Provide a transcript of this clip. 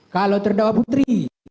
kalau terdakwa putri